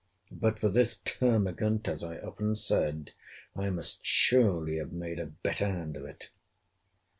—But for this termagant, (as I often said,) I must surely have made a better hand of it.